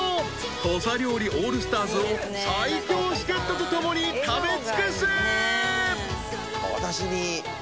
土佐料理オールスターズを最強助っ人と共に食べ尽くす］